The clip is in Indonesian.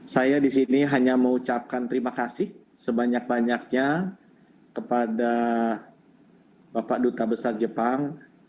saya di sini hanya mengucapkan terima kasih sebanyak banyaknya kepada bapak duta besar jepang